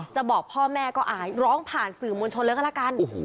บอกพ่อแม่ก็อายร้องผ่านสื่อมวลชนเลยก็แล้วกัน